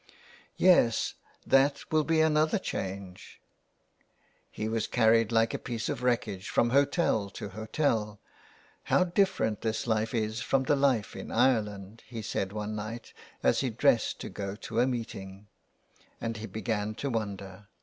" Yes, that will be another change." He was carried like a piece of wreckage from hotel to hotel. '' How different this life is from the life in Ireland," he said one night as he dressed to go to a meeting, and he began to wonder.